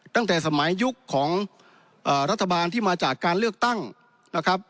ตั้งแต่สมัยยุคของรัฐบาลที่มาจากการเลือกตั้งนะครับ